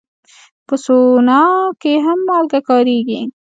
په سونا کې هم مالګه کارېږي.